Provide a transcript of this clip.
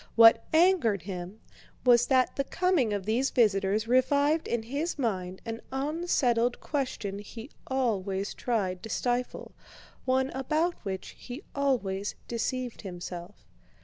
What angered him was that the coming of these visitors revived in his mind an unsettled question he always tried to stifle, one about which he always deceived himself.